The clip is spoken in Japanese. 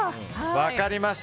分かりました。